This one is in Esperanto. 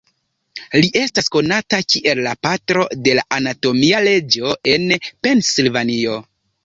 Li estas konata kiel la "Patro de la Anatomia Leĝo" en Pensilvanio.